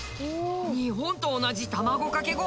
日本と同じ卵かけご飯だ！